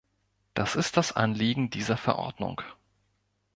Das ist das Anliegen dieser Verordnung.